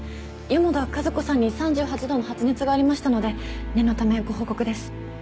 四方田和子さんに３８度の発熱がありましたので念のためご報告です。